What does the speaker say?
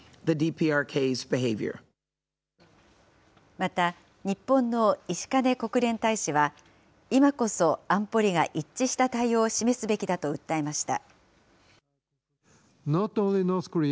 また、日本の石兼国連大使は、今こそ安保理が一致した対応を示すべきだと訴えました。